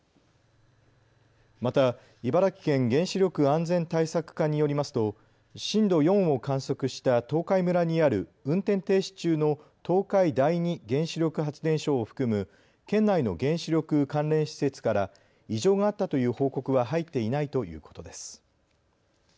また茨城県原子力安全対策課によりますと震度４を観測した東海村にある運転停止中の東海第二原子力発電所を含む県内の原子力関連施設から異常があったという報告は入っていないということです。